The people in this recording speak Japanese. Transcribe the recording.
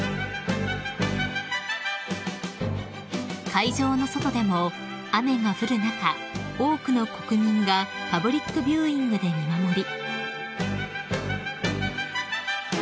［会場の外でも雨が降る中多くの国民がパブリックビューイングで見守り］